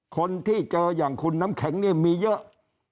คนที่เจออย่างคุณน้ำแข็งเนี่ยมีเยอะ